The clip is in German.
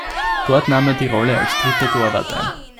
Dort nahm er die Rolle als dritter Torwart ein.